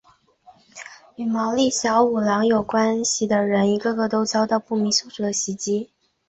与毛利小五郎有关系的人一个个都遭到不明凶手的袭击。